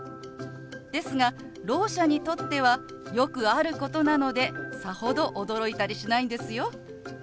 ですがろう者にとってはよくあることなのでさほど驚いたりしないんですよ。